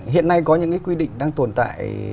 hiện nay có những cái quy định đang tồn tại